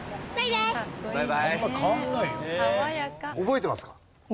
覚えてますか？